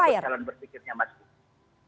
saya coba ikut jalan berpikirnya mas gun